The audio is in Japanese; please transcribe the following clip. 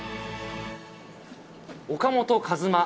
岡本和真